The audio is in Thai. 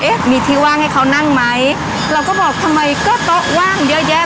มีที่ว่างให้เขานั่งไหมเราก็บอกทำไมก็โต๊ะว่างเยอะแยะ